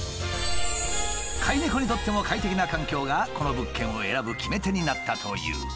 飼い猫にとっても快適な環境がこの物件を選ぶ決め手になったという。